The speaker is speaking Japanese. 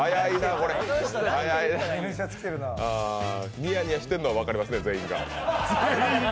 ニヤニヤしてるのは分かりますね、全員が。